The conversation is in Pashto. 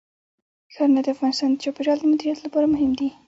ښارونه د افغانستان د چاپیریال د مدیریت لپاره مهم دي.